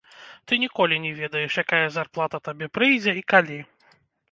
Ты ніколі не ведаеш, якая зарплата табе прыйдзе і калі.